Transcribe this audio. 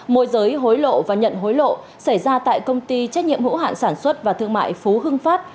môi giới hối lộ và nhận hối lộ xảy ra tại công ty trách nhiệm hữu hạn sản xuất và thương mại phú hưng phát